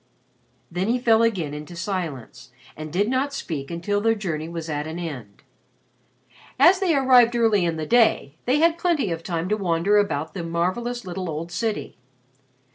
Then he fell again into silence and did not speak until their journey was at an end. As they arrived early in the day, they had plenty of time to wander about the marvelous little old city.